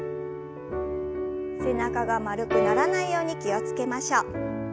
背中が丸くならないように気を付けましょう。